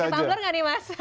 pakai tumbler nggak nih mas